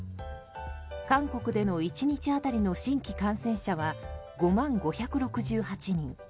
韓国での１日当たりの新規感染者は５万５６８人。